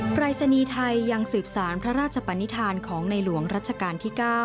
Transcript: ปรายศนีย์ไทยยังสืบสารพระราชปนิษฐานของในหลวงรัชกาลที่๙